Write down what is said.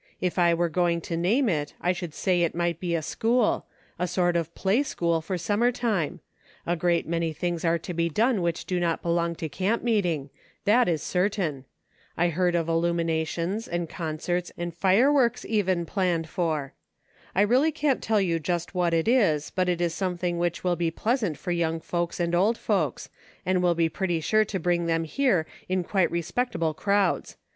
If I were going to name it, I should say it might be a school ; a sort of play school for summer time. A great many things are to be done which do not belong to camp meet ing ; that is certain. I heard of illuminations, ■^nd concerts, and fire works, even, planned for. I •eally can't tell you just what it is, but it is some 14 " MARCH ! I SAID." thing which will be pleasant for young folks and old folks, and will be pretty sure to bring them here in quite respectable crowds.